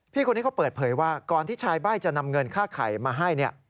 พี่คนนี้เขาเปิดเผยว่าก่อนที่ชายใบ้จะนำเงินค่าไข่มาให้